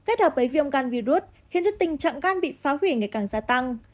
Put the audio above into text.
kết hợp với viêm gan virus khiến cho tình trạng gan bị phá hủy ngày càng gia tăng